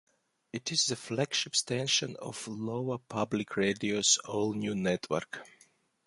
It is the flagship station of Iowa Public Radio's all-news network.